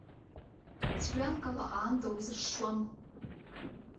Ҵәҩанк ала аанда узышшуам.